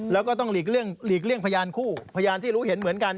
แล้วก็ต้องหลีกเลี่ยงพยานคู่พยานที่รู้เห็นเหมือนกัน